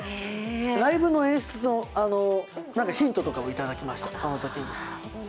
ライブの演出のヒントとかもいただきました、そのときに。